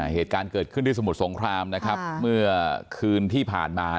เหตุการณ์เกิดขึ้นที่สมุทรสงครามนะครับเมื่อคืนที่ผ่านมา